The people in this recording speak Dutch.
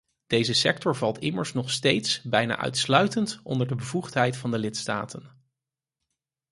Deze sector valt immers nog steeds bijna uitsluitend onder de bevoegdheid van de lidstaten.